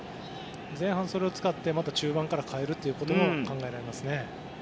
前半、それを使って中盤から変えるということも考えられますね。